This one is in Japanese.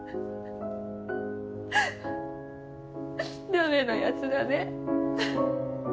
ダメなヤツだね。